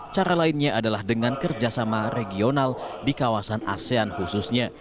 cara lainnya adalah dengan kerjasama regional di kawasan asean khususnya